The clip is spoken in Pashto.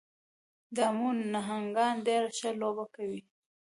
د امو نهنګان ډېره ښه لوبه کوي.